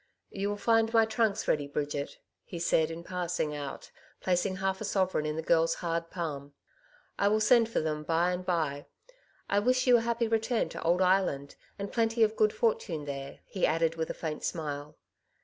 " You will find my trunks ready, Bridget/' he said in passing out, placing half a sovereign in the girFs hard palm. *'^ I will send for them by and by. I wish you a happy return to old Ireland, and plenty of good fortune there,'^ he added with a faint smile.